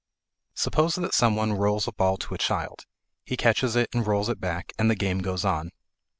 Suppose that some one rolls a ball to a child; he catches it and rolls it back, and the game goes on.